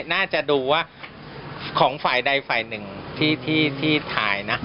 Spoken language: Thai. น่าจะดูว่าของฝ่ายใดฝ่ายหนึ่งที่ถ่ายนะ